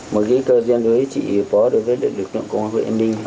một ghi cơ gian đối với chị pó đối với lực lượng công an huyện yên minh